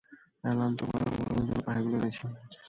Alan তোমার অনুমোদনের জন্য পাখিগুলি এনেছে।